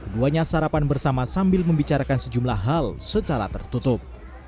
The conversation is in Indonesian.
duanya sarapan bersama sambil membicarakan sejumlah hal secara tertutup